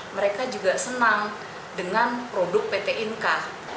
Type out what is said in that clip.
mereka juga senang dengan produk pt inka